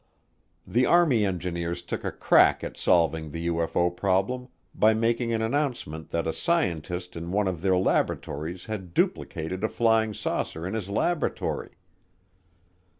The Army Engineers took a crack at solving the UFO problem by making an announcement that a scientist in one of their laboratories had duplicated a flying saucer in his laboratory.